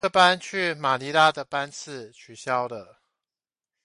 這班去馬尼拉的班次取消了